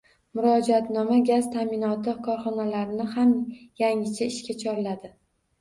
Murojaatnoma gaz ta’minoti korxonalarini ham yangicha ishlashga chorladi